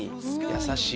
優しい。